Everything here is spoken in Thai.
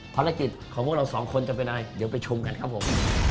ภารกิจของพวกเราสองคนจะเป็นอะไรเดี๋ยวไปชมกันครับผม